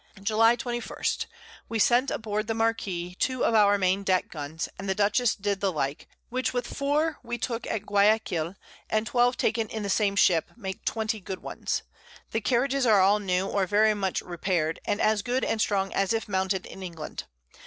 July 21. We sent aboard the Marquiss 2 of our Main Deck Guns, and the Dutchess did the like, which with 4 we took at Guiaquil, and 12 taken in the same Ship, make 20 good ones. The Carriages are all new, or very much repair'd, and as good and strong as if mounted in England.